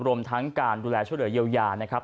รวมทั้งการดูแลช่วยเหลือเยียวยานะครับ